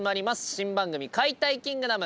新番組「解体キングダム」。